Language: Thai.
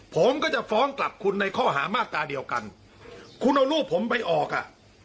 ผมก็จะฟ้องกลับคุณในข้อหามาตราเดียวกันคุณเอารูปผมไปออกอ่ะ